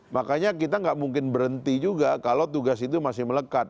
makanya kita nggak mungkin berhenti juga kalau tugas itu masih melekat